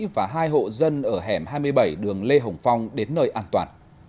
và hai hộ dân ở hẻm hai mươi bảy đường lê hồng phong đến nơi an toàn